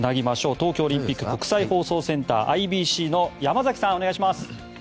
東京オリンピック国際放送センター・ＩＢＣの山崎さん、お願いします。